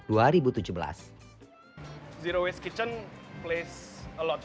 zero waste kitchen berguna banyak